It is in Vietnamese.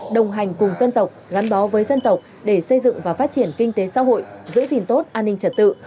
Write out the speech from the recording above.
đồng hành cùng dân tộc gắn bó với dân tộc để xây dựng và phát triển kinh tế xã hội giữ gìn tốt an ninh trật tự